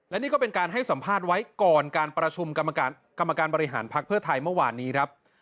และนี่ก็เป็นการให้สัมภาษณ์ไว้ก่อนการประชุมกรรมการบริหารภักดิ์เพื่อไทยเมื่อวานนี้ครับ